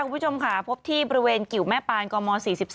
คุณผู้ชมค่ะพบที่บริเวณกิวแม่ปานกม๔๒